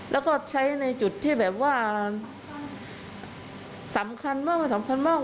แล้วก็ใช้ในจุดที่แบบว่าสำคัญมากมันสำคัญมาก